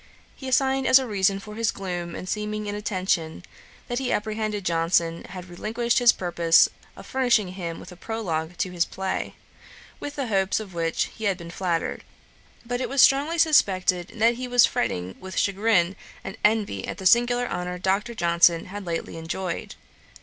He assigned as a reason for his gloom and seeming inattention, that he apprehended Johnson had relinquished his purpose of furnishing him with a Prologue to his play, with the hopes of which he had been flattered; but it was strongly suspected that he was fretting with chagrin and envy at the singular honour Dr. Johnson had lately enjoyed.